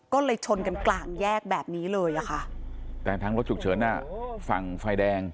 ก็เลยชนกันกลางแยกแบบนี้เลยอะค่ะแต่ทางรถฉุกเฉินอ่ะฝั่งไฟแดง